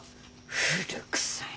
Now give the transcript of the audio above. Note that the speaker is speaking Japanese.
古くさいな。